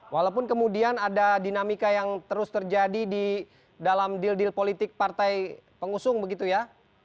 walaupun kemudian ada dinamika yang terus terjadi di dalam deal deal politik partai pengusung begitu ya